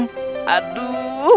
baru aja sholawat bayinya langsung diem